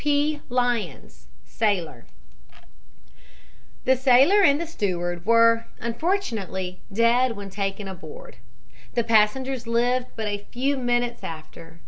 "P. Lyons, sailor. "The sailor and steward were unfortunately dead when taken aboard. The passengers lived but a few minutes after.